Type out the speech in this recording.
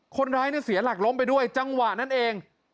คนร้ายเนี่ยเสียหลักล้มไปด้วยจังหวะนั้นเอง